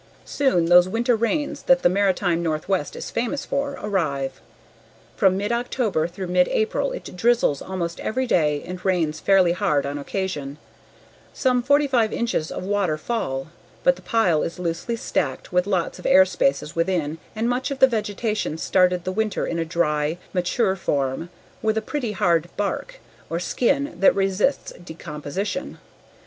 Soon those winter rains that the Maritime northwest is famous for arrive. From mid October through mid April it drizzles almost every day and rains fairly hard on occasion. Some 45 inches of water fall. But the pile is loosely stacked with lots of air spaces within and much of the vegetation started the winter in a dry, mature form with a pretty hard "bark" or skin that resists decomposition.